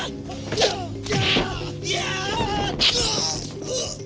kau tak akan menunda kesepakatanmu